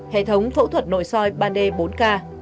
hệ thống phẫu thuật nội soi ba d bốn k